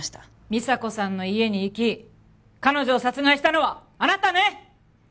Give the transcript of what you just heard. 美沙子さんの家に行き彼女を殺害したのはあなたね！